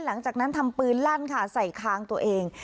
หลังจากนั้นทำปืนลั่นค่ะใส่คางตัวเอง